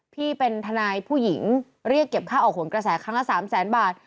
พี่เป็นทนายผู้หญิงเรียกเก็บค่าออกโหนกระแสครั้งละ๓แสนบาท